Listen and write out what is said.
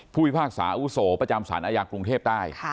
ผู้วิภาคสาอุโสประจำสรรค์อาหยังกรุงเทพฯได้